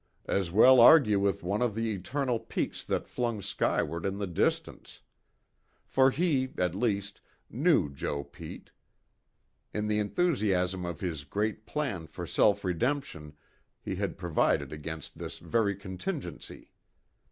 As well argue with one of the eternal peaks that flung skyward in the distance. For he, at least, knew Joe Pete. In the enthusiasm of his great plan for self redemption he had provided against this very contingency.